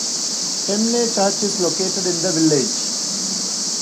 Hemne Church is located in the village.